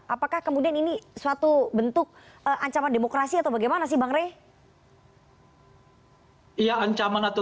apakah kemudian ini suatu bentuk ancaman demokrasi atau bagaimana sih bangre oh iya ancaman atau